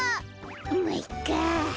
まいっか！